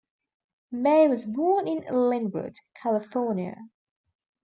May was born in Lynwood, California.